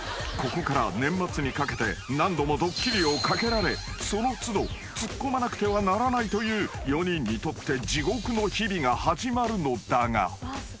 ［ここから年末にかけて何度もドッキリをかけられその都度ツッコまなくてはならないという４人にとって地獄の日々が始まるのだが］